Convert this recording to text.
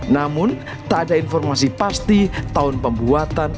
namun tak ada informasi pasti tahun pembuatan